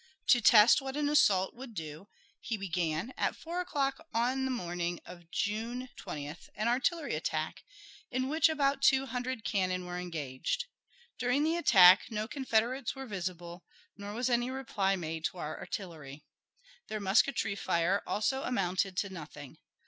To test what an assault would do, he began, at four o'clock on the morning of June 20th, an artillery attack, in which about two hundred cannon were engaged. During the attack no Confederates were visible, nor was any reply made to our artillery. Their musketry fire also amounted to nothing.